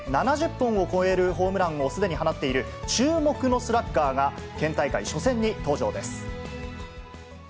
７０本を超えるホームランをすでに放っている注目のスラッガーが、県大会初戦に登場です。